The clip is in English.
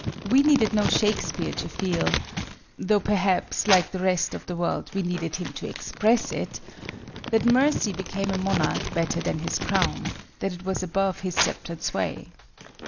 We needed no Shakespeare to feel—though, perhaps, like the rest of the world, we needed him to express it—that mercy became a monarch better than his crown, that it was above his sceptered sway.